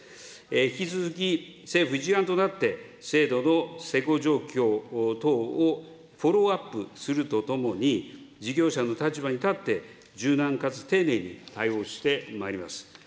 引き続き政府一丸となって、制度の施行状況等をフォローアップするとともに、事業者の立場に立って、柔軟かつ丁寧に対応してまいります。